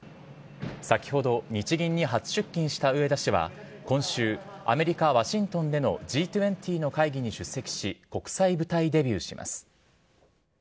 先ほど、日銀に初出勤した植田氏は今週、アメリカ・ワシントンでのＧ２０の会議に出席し、国際舞台デビューします。